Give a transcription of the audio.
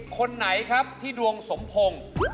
คนไหนครับที่ดวงสมพงศ์